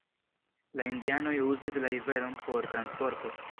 La indianoj uzis la riveron por transporto.